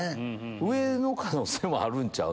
上の可能性もあるんちゃう？